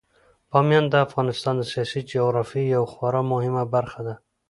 بامیان د افغانستان د سیاسي جغرافیې یوه خورا مهمه برخه ده.